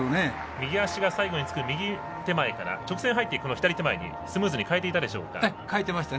右脚が最後につく右手前から直線はいって左手前にスムーズに変えてましたか。